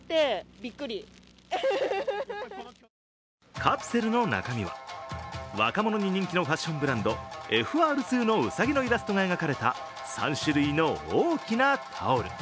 カプセルの中身は若者に人気のファッションブランド・ＦＲ２のうさぎのイラストが描かれた３種類の大きなタオル。